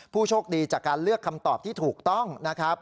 ผู้โชคดีจากการเลือกคำตอบที่ถูกต้องนะครับ